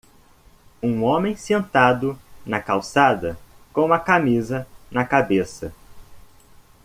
Um homem sentado na calçada com a camisa na cabeça.